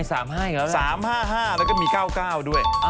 ๓๕๕แล้วก็มี๙๙ด้วย